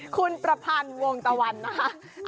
คุณประพันธ์วงตะวันนะคะ